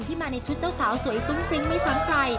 ที่มาในชุดเจ้าสาวสวยฟรึ้้งไม่ซ้ำใคร